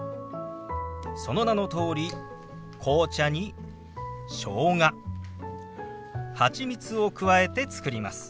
その名のとおり紅茶にしょうがハチミツを加えて作ります。